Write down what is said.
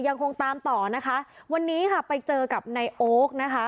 ยังคงตามต่อนะคะวันนี้ค่ะไปเจอกับนายโอ๊คนะคะ